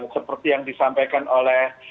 seperti yang disampaikan oleh